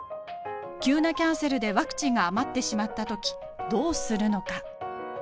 急なキャンセルでワクチンが余ってしまった時どうするのか？